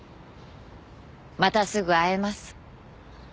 またすぐ会えます。